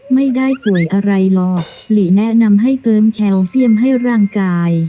ไม่ได้ป่วยอะไรหรอกหลีแนะนำให้เติมแคลเซียมให้ร่างกาย